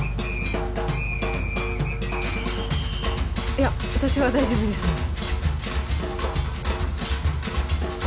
いや私は大丈夫ですので。